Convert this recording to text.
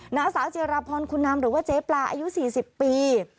นางสาวเจรพรคุณนามหรือว่าเจ๊ปลาอายุ๔๐ปี